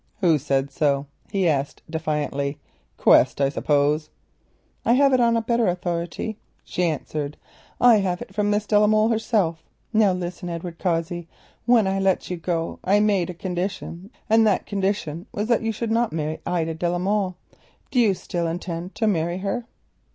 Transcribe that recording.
"Who said so?" he asked defiantly. "Quest, I suppose?" "I have it on a better authority," she answered. "I have it from Miss de la Molle herself. Now, listen, Edward Cossey. When I let you go, I made a condition, and that condition was that you should not marry Ida de la Molle. Do you still intend to marry her?"